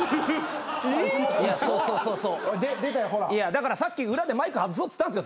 そうそうそうそういやだからさっき裏でマイク外そうっつったんですよ